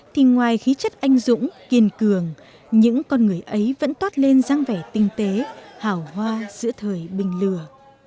thì ngoài khí chất anh dũng kiên cường những con người ấy vẫn toát lên dáng vẻ tinh tế hào hoa giữa thời bình lừa